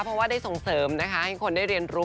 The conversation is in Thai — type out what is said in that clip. เพราะว่าได้ส่งเสริมนะคะให้คนได้เรียนรู้